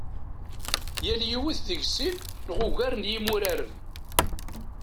Tal yiwet deg-s sin neɣ ugar n yimuraren.